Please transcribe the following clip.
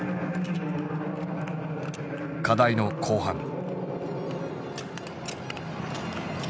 課題の後半。